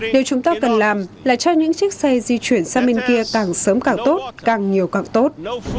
điều chúng ta cần làm là cho những chiếc xe di chuyển sang bên kia càng sớm càng tốt càng nhiều càng tốt